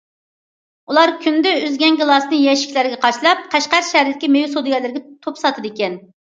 ئۇلار كۈندە ئۈزگەن گىلاسنى يەشىكلەرگە قاچىلاپ، قەشقەر شەھىرىدىكى مېۋە سودىگەرلىرىگە توپ ساتىدىكەن.